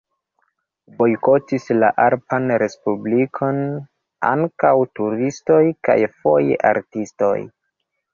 Bojkotis la alpan respublikon ankaŭ turistoj kaj foje artistoj.